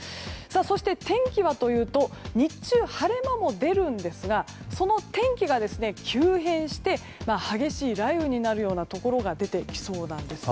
そして天気はというと日中は晴れ間も出ますがその天気が急変して激しい雷雨になるところが出てきそうなんです。